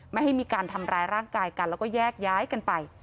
ไม่ให้มีการทำร้ายร่างกายกันแล้วก็แยกย้ายกันไป